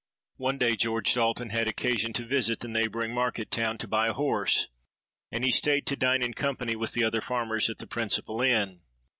"One day George Dalton had occasion to visit the neighbouring market town to buy a horse; and he stayed to dine in company with the other farmers at the principal inn.